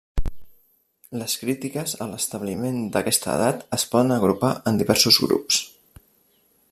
Les crítiques a l'establiment d'aquesta edat es poden agrupar en diversos grups.